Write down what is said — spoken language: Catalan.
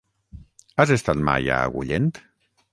Has estat mai a Agullent?